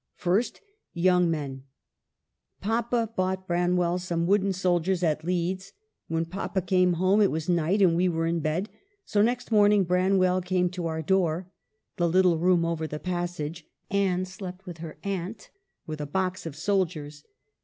First, ' Young Men.' Papa bought Bran well some wooden soldiers at Leeds ; when papa came home it was night, and we were in bed, so next morning Branwell came to our door " (the little room over the passage : Anne slept with her aunt) " with a box of soldiers.